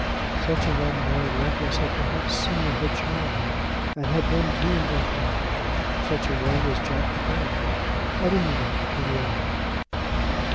Such a one Mary Lovelace had perhaps seen in her childhood and had then dreamed of him. Such a one was Jack De Baron, at any rate to the eye.